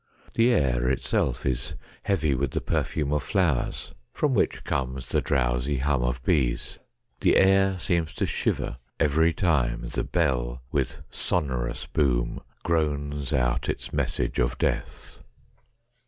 The air itself is heavy with the perfume of flowers, from which comes the drowsy hum of bees. The air seems to shiver every time the bell, with sonorous boom, groans out its message of death.